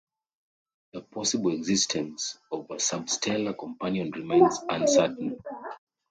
The possible existence of a substellar companion remains uncertain.